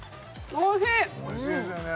おいしいですよね